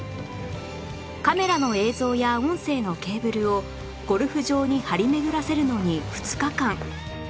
カメラの映像や音声のケーブルをゴルフ場に張り巡らせるのに２日間